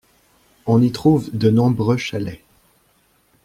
On y trouve de nombreux chalets.